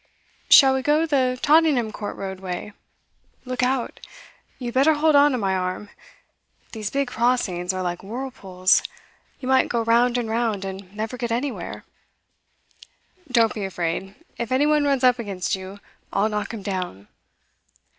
Shall we go the Tottenham Court Road way? Look out! You'd better hold on to my arm. These big crossings are like whirlpools; you might go round and round, and never get anywhere. Don't be afraid; if any one runs up against you, I'll knock him down.